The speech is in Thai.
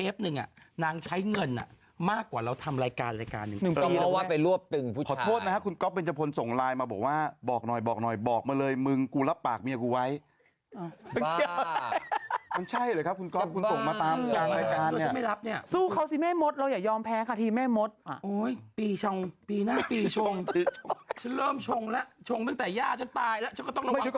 ๗๒๖ปีช่องปีหน้าปีชงบอกมาเลยมึงกูรับปากเมียกูไว้ตายนะครับคุณก็คุณส่งมาตามไม่รับเนี่ยที่ไม่มดเราอย่ายอมแพ้ค่ะที่ไม่มดอ้อปีชงปีหน้าปีชงชงแล้วตายแล้ว